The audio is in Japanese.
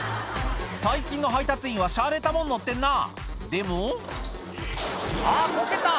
最近の配達員はしゃれたもん乗ってんなでもあぁこけた！